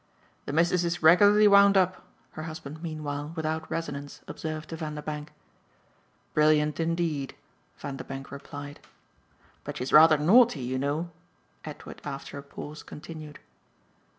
"The Missus is regularly wound up," her husband meanwhile, without resonance, observed to Vanderbank. "Brilliant indeed!" Vanderbank replied. "But she's rather naughty, you know," Edward after a pause continued.